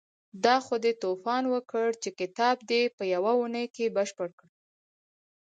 دا خو دې توپان وکړ چې کتاب دې په يوه اونۍ کې بشپړ کړ.